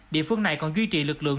địa phương này còn duy trì lực lượng